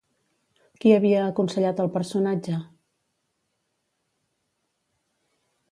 Qui havia aconsellat al personatge?